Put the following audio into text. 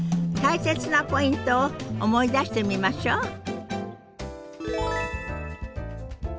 大切なポイントを思い出してみましょう。